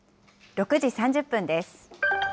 ６時３０分です。